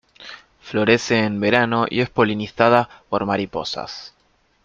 Florece en verano y es polinizada por mariposas.